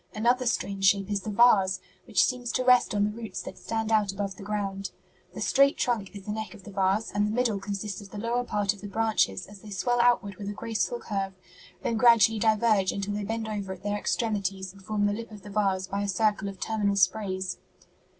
Another strange shape is the vase, which seems to rest on the roots that stand out above the ground. 'The straight trunk is the neck of the vase, and the middle consists of the lower part of the branches as they swell outward with a graceful curve, then gradually diverge until they bend over at their extremities and form the lip of the vase by a circle of terminal sprays.'"